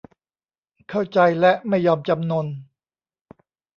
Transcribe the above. เข้าใจและไม่ยอมจำนน